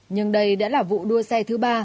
nhưng đây đã là vụ đua xe thứ ba